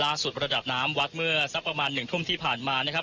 ระดับน้ำวัดเมื่อสักประมาณ๑ทุ่มที่ผ่านมานะครับ